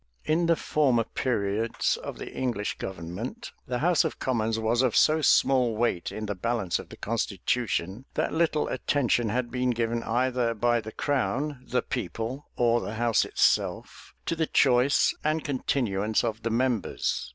In the former periods of the English government, the house of commons was of so small weight in the balance of the constitution, that little attention had been given either by the crown, the people, or the house itself, to the choice and continuance of the members.